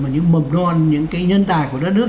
những mầm non những nhân tài của đất nước